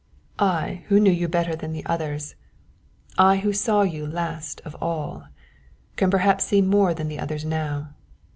"I who knew you better than the others I who saw you last of all can perhaps see more than the others now.